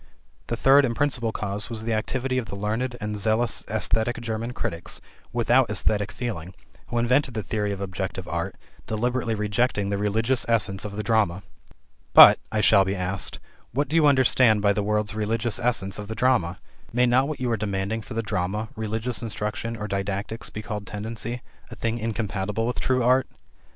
The third and principal cause was the activity of the learned and zealous esthetic German critics without esthetic feeling, who invented the theory of objective art, deliberately rejecting the religious essence of the drama. "But," I shall be asked, "what do you understand by the word's religious essence of the drama? May not what you are demanding for the drama, religious instruction, or didactics, be called 'tendency,' a thing incompatible with true art?"